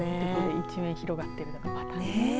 一面広がっているのがまたね。